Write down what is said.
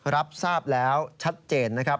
รับทราบแล้วชัดเจนนะครับ